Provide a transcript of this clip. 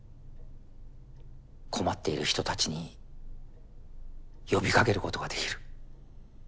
困っている人たちに呼びかけることができる。